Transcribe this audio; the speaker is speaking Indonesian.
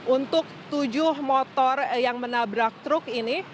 untuk tujuh motor yang menabrak truk ini